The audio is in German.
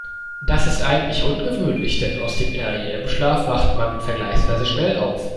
Das ist eigentlich ungewöhnlich, denn aus dem REM-Schlaf wacht man vergleichsweise schnell auf.